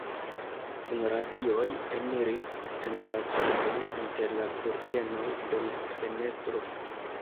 Sunradioj eniris en la ĉambron inter la kurtenoj de l' fenestro.